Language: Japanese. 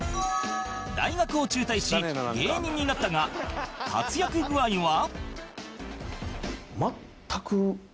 大学を中退し芸人になったが活躍具合は